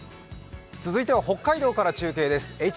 続いては北海道から中継です。